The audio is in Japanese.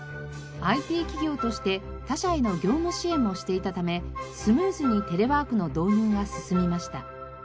ＩＴ企業として他社への業務支援もしていたためスムーズにテレワークの導入が進みました。